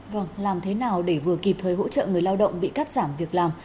vâng làm thế nào để vừa kịp thời hỗ trợ người lao động bị cắt giảm việc làm